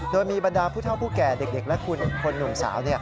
โดยมีบรรดาผู้เท่าผู้แก่เด็กและคุณคนหนุ่มสาว